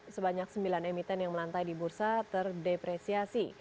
sebanyak sembilan emiten yang melantai di bursa terdepresiasi